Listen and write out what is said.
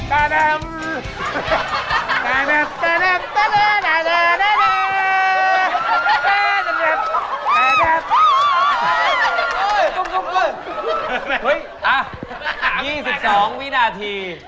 เฮ้ยอ่ะ๒๒วินาที